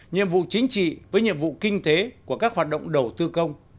nhiệm vụ chính trị với nhiệm vụ kinh tế của các hoạt động đầu tư công